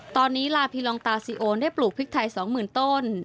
ตอนนี้ลาพีลองตาซีโอนได้ปลูกพริกไทย๒๐๐๐ต้น